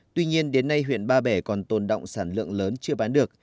tuy nhiên đến nay huyện ba bể còn tồn động sản lượng lớn chưa bán được